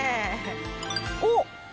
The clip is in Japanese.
おっ。